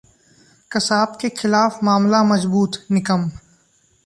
कसाब के खिलाफ मामला मजबूत: निकम